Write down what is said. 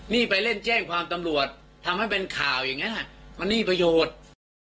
นี่ไปเล่นแจ้งความตำรวจทำให้เป็นข่าวอย่างนั้นมันนี่ประโยชน์